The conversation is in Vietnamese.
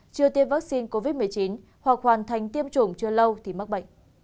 chưa tiêm vaccine covid một mươi chín hoặc hoàn thành tiêm chủng chưa lâu thì mắc bệnh